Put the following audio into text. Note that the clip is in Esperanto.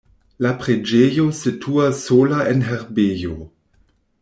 La preĝejo situas sola en herbejo.